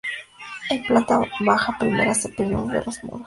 En planta baja y primera se pierde uno de los muros.